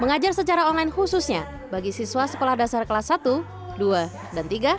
mengajar secara online khususnya bagi siswa sekolah dasar kelas satu dua dan tiga